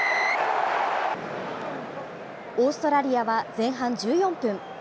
オーストラリアは前半１４分。